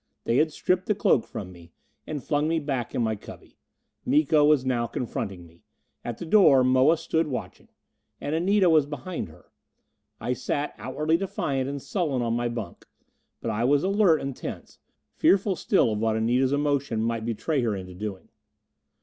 They had stripped the cloak from me, and flung me back in my cubby. Miko was now confronting me; at the door Moa stood watching. And Anita was behind her. I sat outwardly defiant and sullen on my bunk. But I was alert and tense, fearful still of what Anita's emotion might betray her into doing.